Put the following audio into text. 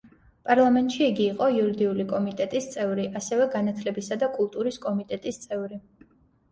პარლამენტში იგი იყო იურიდიული კომიტეტის წევრი, ასევე განათლებისა და კულტურის კომიტეტის წევრი.